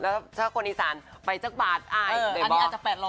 แล้วถ้าคนอีสานไปสักบาทอันนี้อาจจะ๘๐๐